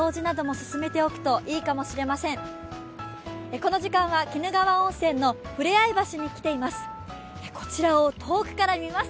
この時間は鬼怒川温泉のふれあい橋に来ています。